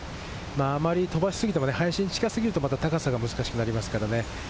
あまり飛ばしすぎても林に近すぎると高さが難しくなりますからね。